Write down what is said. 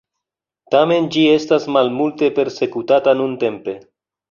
Tamen ĝi estas malmulte persekutata nuntempe.